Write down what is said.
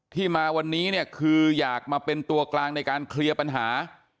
ที่มาวันนี้เนี่ยคืออยากมาเป็นตัวกลางในการเคลียร์ปัญหา